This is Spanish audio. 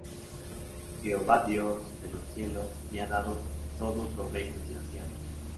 Jehová Dios de los cielos me ha dado todos los reinos de la tierra.